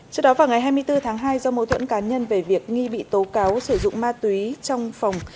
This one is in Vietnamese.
trước đó vào ngày hai mươi bốn tháng hai do mối thuẫn cá nhân về việc nghi bị tố cáo sử dụng ma túy trong phòng